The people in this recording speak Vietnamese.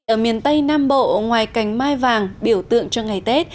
ở miền tây nam bộ ngoài cành mai vàng biểu tượng cho ngày tết